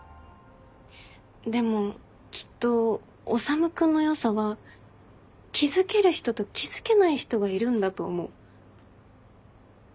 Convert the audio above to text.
でもきっと修君の良さは気付ける人と気付けない人がいるんだと思う。